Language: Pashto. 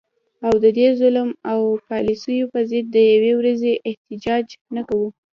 او د دې ظلم او پالیسو په ضد د یوې ورځي احتجاج نه کوو